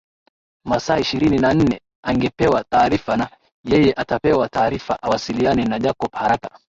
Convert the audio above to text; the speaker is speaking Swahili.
Masaa ishirini na nne angepewa taarifa na yeye atapewa taarifa awasiliane na Jacob haraka